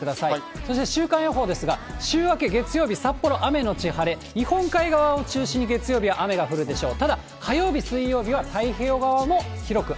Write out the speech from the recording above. そして週間予報ですが、週明け月曜日、札幌、雨後晴れ、日本海側を中心に、月曜日は雨が降るでしょう。